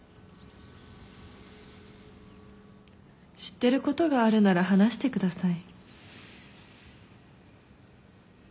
知ってることがあるなら話してください。